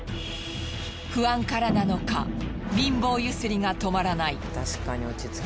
不安からなのか貧乏ゆすりが止まらない。